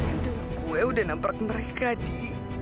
itu gue udah nampak mereka di